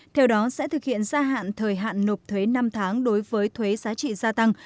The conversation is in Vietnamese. theo đó sẽ thực hiện gia hạn thời hạn nộp thuế năm tháng đối với thuế giá trị gia tăng